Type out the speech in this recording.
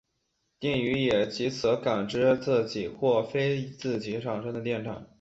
电鱼也藉此感知自己或非自己产生的电场。